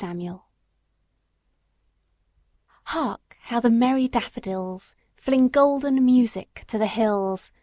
Spring HARK how the merry daffodils, Fling golden music to the hills!